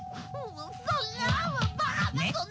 そんな！